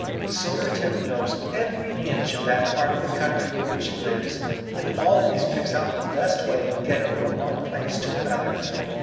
Silvertip knows every inch of that part of the country in which he lives and always picks out the best way of getting from one place to another.